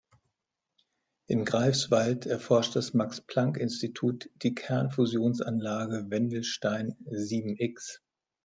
In Greifswald erforscht das Max-Planck-Institut die Kernfusionsanlage Wendelstein sieben-X.